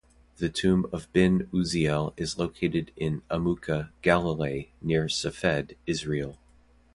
The tomb of ben Uzziel is located in Amuka, Galilee near Safed, Israel.